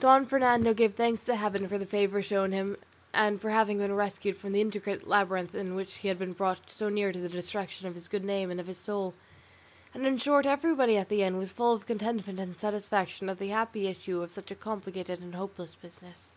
Don Fernando gave thanks to Heaven for the favour shown to him and for having been rescued from the intricate labyrinth in which he had been brought so near the destruction of his good name and of his soul; and in short everybody in the inn was full of contentment and satisfaction at the happy issue of such a complicated and hopeless business.